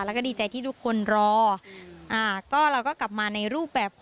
แล้วก็ดีใจที่ทุกคนรอ